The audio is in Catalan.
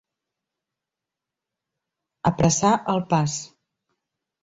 Apressar el pas.